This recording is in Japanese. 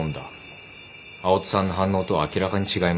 青砥さんの反応とは明らかに違いました。